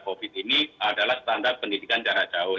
covid ini adalah standar pendidikan jarak jauh